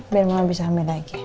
biar mamah bisa hamil lagi